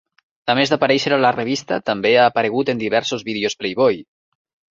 A més d'aparèixer a la revista, també ha aparegut en diversos vídeos "Playboy".